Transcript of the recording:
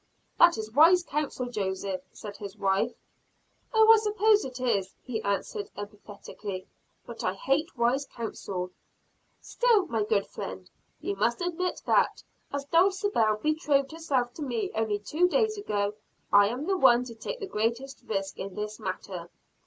"That is wise counsel, Joseph," said his wife. "Oh, I suppose it is," he answered emphatically. "But I hate wise counsel." "Still, my good friend, you must admit that, as Dulcibel betrothed herself to me only two days ago, I am the one to take the greatest risk in this matter."